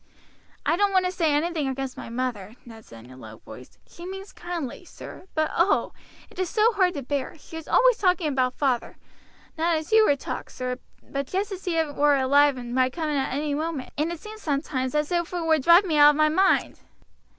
"I don't want to say anything against my mother," Ned said in a low voice. "She means kindly, sir; but, oh! it is so hard to bear. She is always talking about father, not as you would talk, sir, but just as if he were alive and might come in at any moment, and it seems sometimes as if it would drive me out of my mind."